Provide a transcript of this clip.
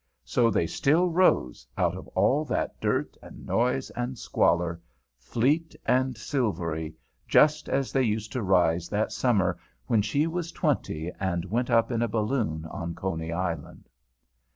So they still rose, out of all that dirt and noise and squalor, fleet and silvery, just as they used to rise that summer when she was twenty and went up in a balloon on Coney Island!